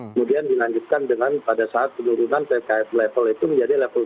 kemudian dilanjutkan dengan pada saat penurunan ppkm level itu menjadi level tiga